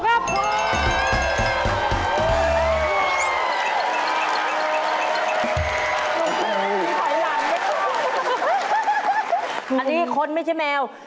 อันนี้คนไม่ใช่แมว